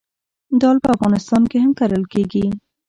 دال په افغانستان کې هم کرل کیږي.